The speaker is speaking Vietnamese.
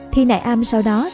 thi nại am sau đó